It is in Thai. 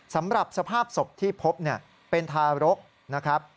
สำหรับสภาพศพที่พบเป็นทารกนะครับ